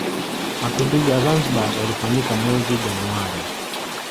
mapinduzi ya zanzibar yalifanyika mwezi januari